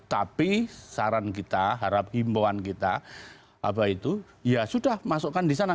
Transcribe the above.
tapi saran kita harap himbauan kita apa itu ya sudah masukkan di sana